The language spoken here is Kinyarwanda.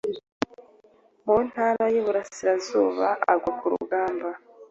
mu Ntara y’Iburasirazuba, agwa ku rugamba